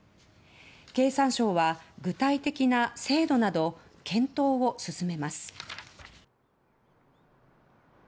経産省は具体的な制度など検討を進めます。